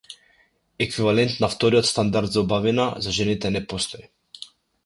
Еквивалент на вториот стандард за убавина за жените не постои.